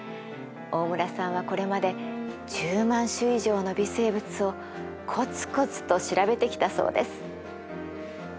大村さんはこれまで１０万種以上の微生物をコツコツと調べてきたそうです。